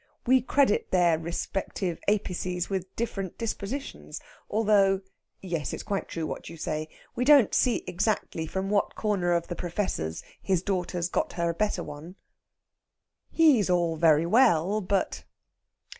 We credit their respective apices with different dispositions, although (yes, it's quite true what you say) we don't see exactly from what corner of the Professor's his daughter got her better one. He's all very well, but....